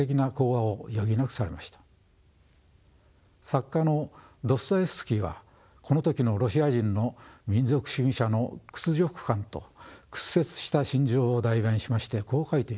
作家のドストエフスキーはこの時のロシア人の民族主義者の屈辱感と屈折した心情を代弁しましてこう書いています。